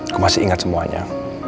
aku masih inget semuanya